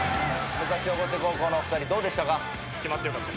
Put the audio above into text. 武蔵越生高校のお二人どうでしたか？